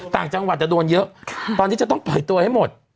ต่างจังหวัดจะโดนเยอะตอนนี้จะต้องปล่อยตัวให้หมด